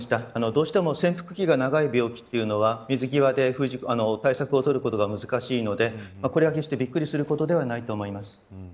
どうしても潜伏期が長い病気というのは水際で対策を取ることが難しいのでこれは決して、びっくりすることではないと思います。